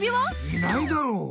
いないだろう。